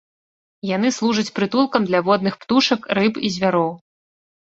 Яны служаць прытулкам для водных птушак, рыб і звяроў.